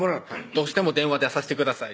「どうしても電話出さしてください」